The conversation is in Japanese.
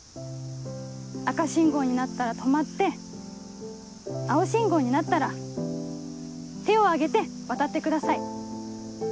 赤信号になったら止まって青信号になったら手を上げて渡ってください。